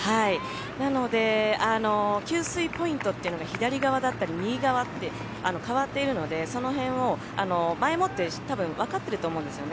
なので給水ポイントというのが左側だったり右側って変わっているのでその辺を前もってわかってると思うんですね。